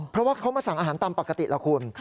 เพราะว่าเขามาสั่งอาหารตามปกติแล้วคุณ